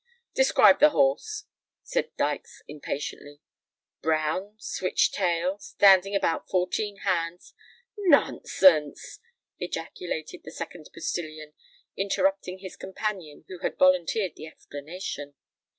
"Describe his horse," said Dykes impatiently. "Brown—switch tail—standing about fourteen hands——" "Nonsense!" ejaculated the second postillion, interrupting his companion who had volunteered the explanation.